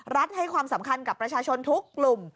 ให้ความสำคัญกับประชาชนทุกกลุ่ม